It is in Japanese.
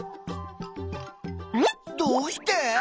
どうして？